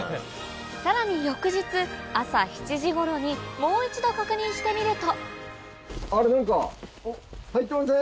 さらに翌日朝７時頃にもう一度確認してみるとあれ何か。